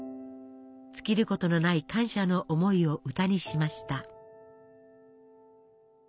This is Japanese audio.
尽きることのない感謝の思いを歌にしました。